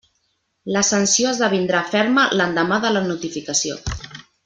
La sanció esdevindrà ferma l'endemà de la notificació.